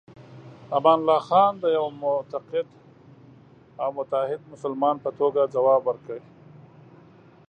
امان الله خان د یوه معتقد او متعهد مسلمان په توګه ځواب ورکړ.